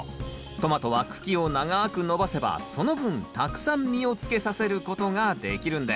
トマトは茎を長く伸ばせばその分たくさん実をつけさせることができるんです。